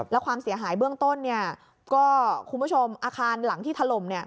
แล้วความเสียหายเบื้องต้นเนี่ยก็คุณผู้ชมอาคารหลังที่ถล่มเนี่ย